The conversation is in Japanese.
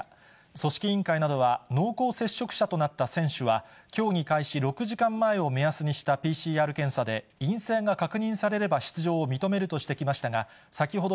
組織委員会などは、濃厚接触者となった選手は、競技開始６時間前を目安にしたＰＣＲ検査で、陰性が確認されれば出場を認めるとしてきましたが、先ほど、